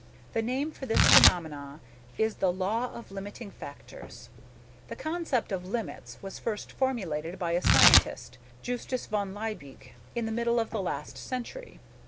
The name for this phenomena is the "Law of Limiting Factors." The concept of limits was first formulated by a scientist, Justus von Liebig, in the middle of the last century.